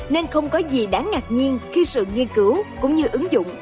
nên không có gì đáng ngạc nhiên khi sự nghiên cứu cũng như ứng dụng